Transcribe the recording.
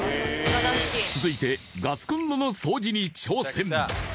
続いてガスコンロの掃除に挑戦。